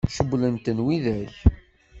Cewwlen-ten widak?